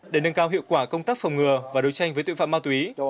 để nâng cao hiệu quả công tác phòng ngừa và đấu tranh với tội phạm ma túy